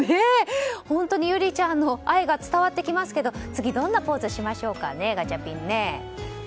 本当に侑里ちゃんの愛が伝わってきますけど次、どんなポーズしましょうかねガチャピンね。